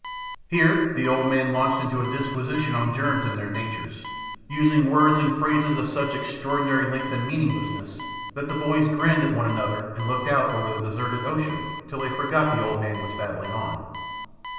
Here the old man launched into a disquisition on germs and their natures, using words and phrases of such extraordinary length and meaninglessness, that the boys grinned at one another and looked out over the deserted ocean till they forgot the old man was babbling on.